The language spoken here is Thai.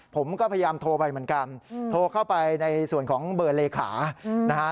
ผมก็พยายามโทรไปเหมือนกันโทรเข้าไปในส่วนของเบอร์เลขานะฮะ